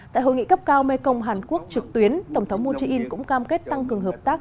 tại hội nghị cấp cao mekong hàn quốc trực tuyến tổng thống moon jae in cũng cam kết tăng cường hợp tác